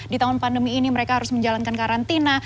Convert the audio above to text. di tahun pandemi ini mereka harus menjalankan karantina